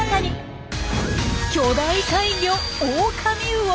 巨大怪魚オオカミウオ。